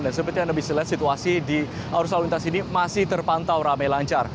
dan seperti yang lebih silat situasi di arus lalu lintas ini masih terpantau rame lancar